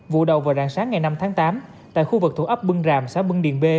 vụ đầu vào đàn sáng ngày năm tháng tám tại khu vực thủ ấp bưng ràm xã bưng điền b